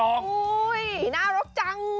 โอ้โหน่ารักจัง